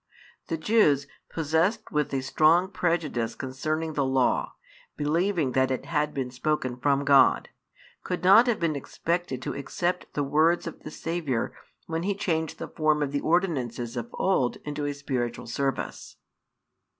The Jews, possessed with a strong prejudice concerning the Law, believing that it had been spoken from God, could not have been expected to accept the words of the Saviour when He changed the form of the ordinances of old into a spiritual service.